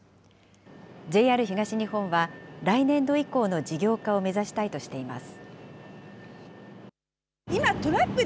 ＪＲ東日本は来年度以降の事業化を目指したいとしています。